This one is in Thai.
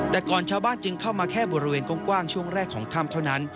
แต่ก่อนชาวบ้านจึงเข้ามาแค่บริเวณกว้างช่วงแรกของถ้ำเท่านั้น